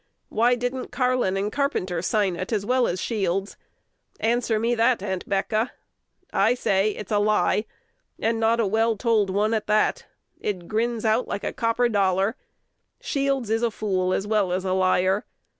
Why didn't Carlin and Carpenter sign it as well as Shields? Answer me that, Aunt'Becca. I say it's a lie, and not a well told one at that. It grins out like a copper dollar. Shields is a fool as well as a liar.